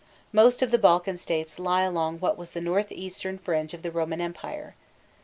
Most of the Balkan states lie along what was the northeastern fringe of the Roman Empire.